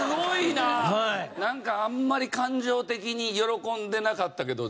なんかあんまり感情的に喜んでなかったけど。